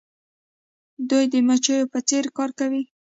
دوی د مچیو په څیر کار کوي.